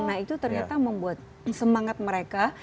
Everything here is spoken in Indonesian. nah itu ternyata membuat semangat mereka